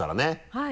はい。